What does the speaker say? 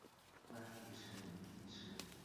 万历十年进士。